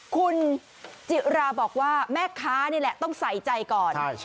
คุณจิราบอกว่าแม่ค้านี่แหละต้องใส่ใจก่อน